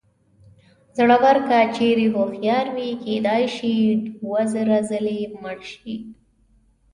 زړور که چېرې هوښیار وي کېدای شي دوه زره ځلې مړ شي.